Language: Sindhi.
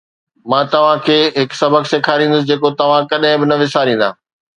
مان توهان کي هڪ سبق سيکاريندس جيڪو توهان ڪڏهن به نه وساريندا